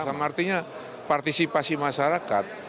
bersama artinya partisipasi masyarakat